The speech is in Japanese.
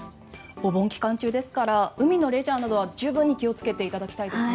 お盆期間中ですから海のレジャーなどは十分に気をつけていただきたいですね。